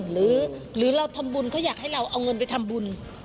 หรือเราทำบุญเขาอยากให้เราเอาเงินไปทำบุญ